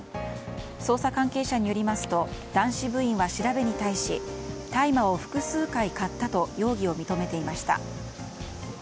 捜査関係者によりますと男子部員は調べに対し大麻を複数回買ったと容疑を認めていました。